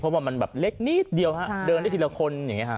เพราะว่ามันแบบเล็กนิดเดียวฮะเดินได้ทีละคนอย่างนี้ฮะ